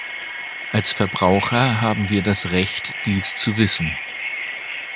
Als Verbraucher haben wir das Recht, dies zu wissen.